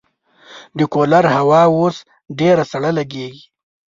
د کولر هوا اوس ډېره سړه لګېږي.